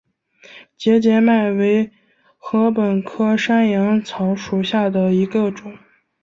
节节麦为禾本科山羊草属下的一个种。